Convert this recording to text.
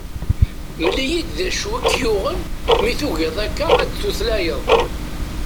Mel-iyi-d d acu i k-yuɣen mi tugiḍ akka ad d-tutlayeḍ.